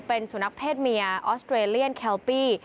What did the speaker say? เป็นสุนัขเพศเมียออสเตรเลียนแคลปี้